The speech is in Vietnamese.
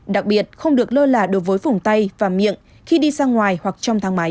đặc biệt không được lơ là đối với phủng tay và miệng khi đi ra ngoài hoặc trong thang máy